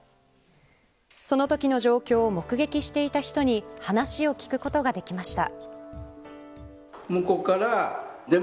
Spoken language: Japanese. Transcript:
そのときの状況を目撃した人に話を聞くことができました。